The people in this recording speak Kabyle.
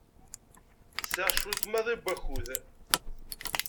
Sɛiɣ cwiṭ maḍi n wakud.